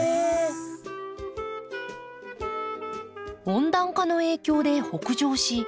温暖化の影響で北上し